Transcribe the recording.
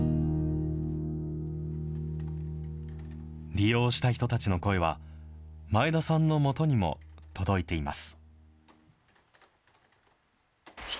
利用した人たちの声は、前田さんのもとにも届いています。